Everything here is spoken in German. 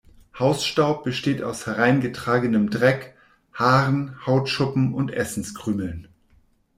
Hausstaub besteht aus hereingetragenem Dreck, Haaren, Hautschuppen und Essenskrümeln.